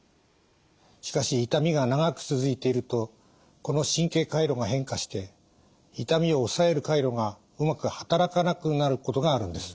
しかし痛みが長く続いているとこの神経回路が変化して痛みを抑える回路がうまく働かなくなることがあるんです。